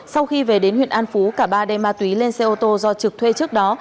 sau khi về đến huyện an phú cả ba đem ma túy lên xe ô tô do trực thuê trước đó